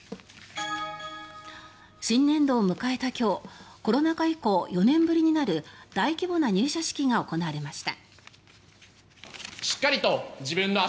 新年度を迎えた今日コロナ禍以降４年ぶりとなる大規模な入社式が行われました。